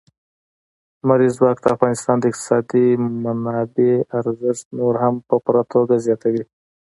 لمریز ځواک د افغانستان د اقتصادي منابعم ارزښت نور هم په پوره توګه زیاتوي.